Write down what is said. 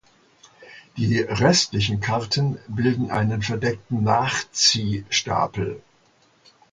Die restlichen Karten bilden einen verdeckten Nachziehstapel.